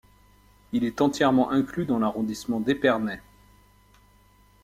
Il est entièrement inclus dans l'arrondissement d'Épernay.